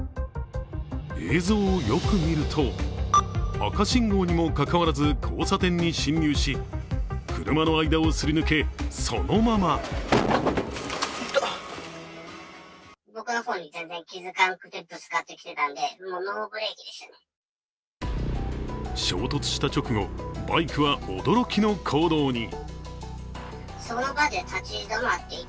映像をよく見ると、赤信号にもかかわらず交差点に進入し車の間をすり抜け、そのまま衝突した直後バイクは驚きのこうどうに。